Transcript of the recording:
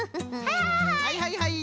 はいはいはい。